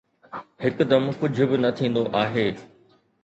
هڪدم ڪجهه به نه ٿيندو آهي